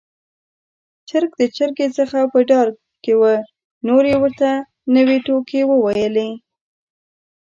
چرګ د چرګې څخه په ډار کې و، نو يې ورته نوې ټوکې وويلې.